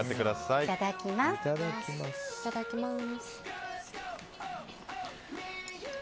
いただきます。